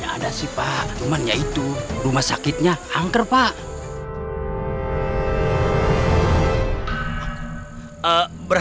aduh pake nyebur segitu gak sabar